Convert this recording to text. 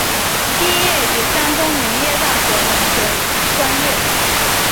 毕业于山东农业大学农学专业。